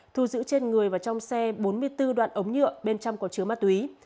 thu giữ trên người và trong xe bốn mươi bốn đoạn ống nhựa bên trong có chứa ma túy